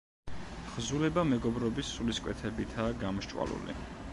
თხზულება მეგობრობის სულისკვეთებითაა გამსჭვალული.